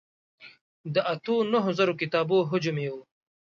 د اتو نهو زرو کتابو حجم یې و.